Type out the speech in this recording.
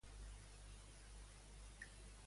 Com es diu el diputat de Compromís al congrés?